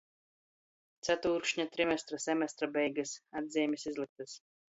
Catūrkšņa, trimestra, semestra beigys. Atzeimis izlyktys.